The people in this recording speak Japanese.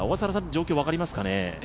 状況分かりますかね？